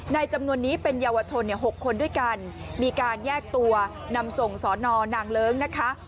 จำนวนนี้เป็นเยาวชน๖คนด้วยกันมีการแยกตัวนำส่งสอนอนางเลิ้งนะคะ